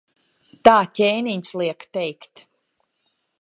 Tā ķēniņš liek teikt.